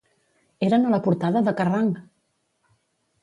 Eren a la portada de Kerrang!